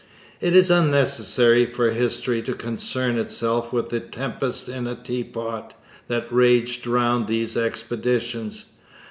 It is unnecessary for history to concern itself with the 'tempest in a teapot' that raged round these expeditions.